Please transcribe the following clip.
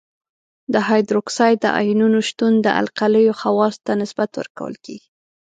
د هایدروکساید د آیونونو شتون د القلیو خواصو ته نسبت ورکول کیږي.